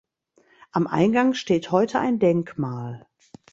Am Eingang steht heute ein Denkmal.